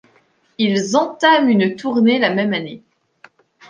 Ils entament une tournée la même année.